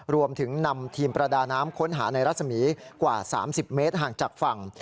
รวมถึงนำทีมประดาน้ำค้นหาในรัศมีร์กว่า๓๐เมตรห่างจากฝั่ง